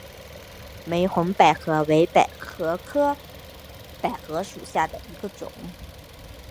玫红百合为百合科百合属下的一个种。